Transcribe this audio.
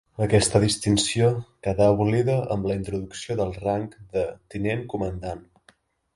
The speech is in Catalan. Aquesta distinció quedà abolida amb la introducció del rang de Tinent-Comandant.